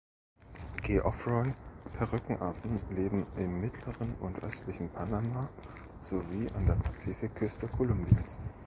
Geoffroy-Perückenaffen leben im mittleren und östlichen Panama sowie an der Pazifikküste Kolumbiens.